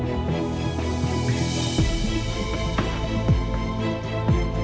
อารมณ์อารมณ์